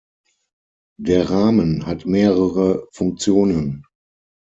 Der Rahmen hat mehrere Funktionen.